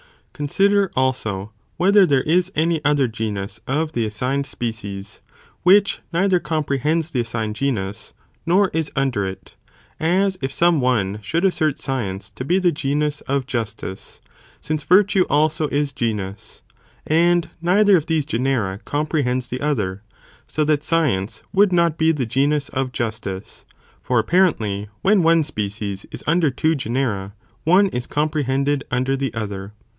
Ist Top. ConsIDER, also, whether there is any other genus whether there of the assigned species, which neither compre genusofthe hends the assigned genus, nor is under it, as if same thing. ~~ some one should assert science to be the genus of justice, since virtue also is genus, and neither of these genera comprehends the other, so that science would not be the genus of justice, for apparently, when one species is under two genera, one is comprehended under the other.